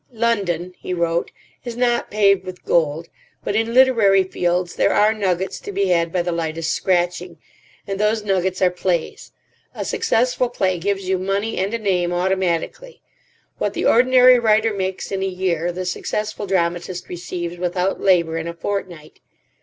"London," he wrote, "is not paved with gold; but in literary fields there are nuggets to be had by the lightest scratching. And those nuggets are plays. A successful play gives you money and a name automatically. What the ordinary writer makes in a year the successful dramatist receives, without labour, in a fortnight."